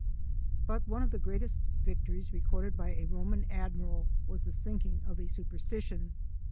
But one of the greatest victories re corded for a Roman admiral was the sinking of a superstition.